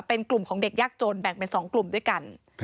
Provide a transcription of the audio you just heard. เป็นกลุ่มของเด็กยากจนแบ่งเป็น๒กลุ่มด้วยกัน